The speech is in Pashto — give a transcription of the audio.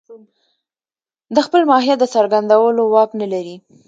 د خپل ماهيت د څرګندولو واک نه لري.